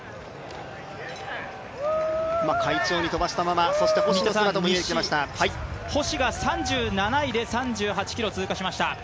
快調に飛ばしたまま星が３７位で３８ｋｍを通過しました。